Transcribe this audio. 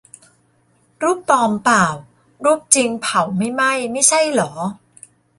"รูปปลอมป่าว รูปจริงเผาไม่ไหม้ไม่ใช่เหรอ"